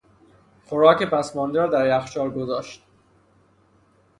خوراک پس مانده را در یخچال گذاشت.